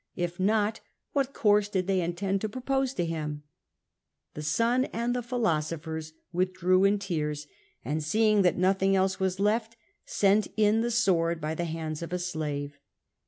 If not, what course did they intend to propose to him ? The son and the philosophers withdrew in tears, and seeing that nothing else was left, sent in the sword by the hands of a slave.